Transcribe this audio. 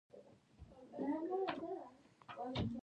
خلجیانو ته د یوه پردي قوم په سترګه ګوري.